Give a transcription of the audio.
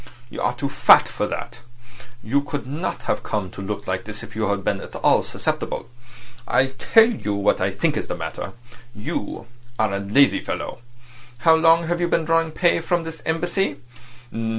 You are too fat for that. You could not have come to look like this if you had been at all susceptible. I'll tell you what I think is the matter: you are a lazy fellow. How long have you been drawing pay from this Embassy?"